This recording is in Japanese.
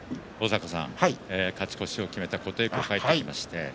勝ち越しを決めた琴恵光帰ってきました。